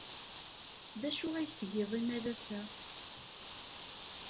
D acu ay tgid imalas-a?